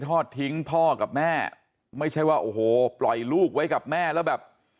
ทอดทิ้งพ่อกับแม่ไม่ใช่ว่าโอ้โหปล่อยลูกไว้กับแม่แล้วแบบ